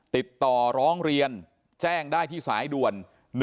ติดต่อร้องเรียนแจ้งได้ที่สายด่วน